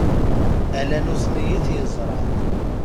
Ala nutni i t-yeẓran.